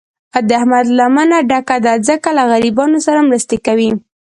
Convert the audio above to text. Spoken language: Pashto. د احمد لمنه ډکه ده، ځکه له غریبانو سره مرستې کوي.